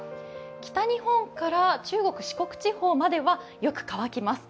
北日本から中国・四国地方までは、よく乾きます。